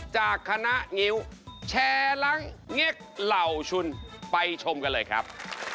จากคณะงิ้วแชร์ล้างเง็กเหล่าชุนไปชมกันเลยครับ